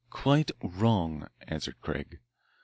"Quite wrong," answered Craig.